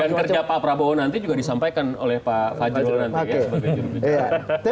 dan kerja pak prabowo nanti juga disampaikan oleh pak fajrul nanti ya sebagai juru bicara